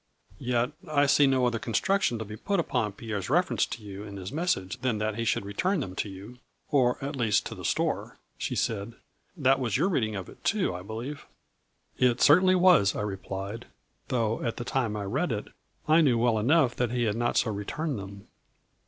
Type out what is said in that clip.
" Yet, I see no other construction to be put upon Pierre's reference to you in his message than that he should return them to you, or at least to the store," she said, " that was your reading of it too, I believe ?"" It certainly was," I replied, " though at the time I read it I knew well enough that he had not so returned them."